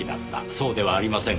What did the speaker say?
そうではありませんか？